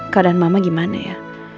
kedengaran mama gimana ya